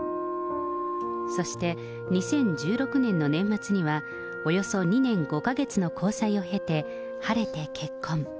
そして、２０１６年の年末には、およそ２年５か月の交際を経て、晴れて結婚。